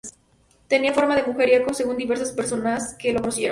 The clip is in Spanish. Tenía fama de mujeriego, según diversas personas que lo conocieron.